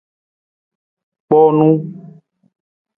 Kpoonu.